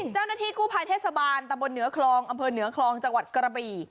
เจ้าหน้าที่กู้ภัยเทศบาลตะบนเหนือคลองอำเภอเหนือคลองจังหวัดกระบี่